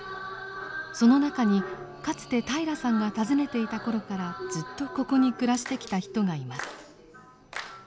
その中にかつて平良さんが訪ねていた頃からずっとここに暮らしてきた人がいます。